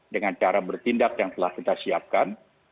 dengan cara bertindak yang telah kita siapkan